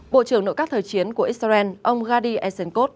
bộ trưởng nội các thời chiến của israel ông gadi essenkov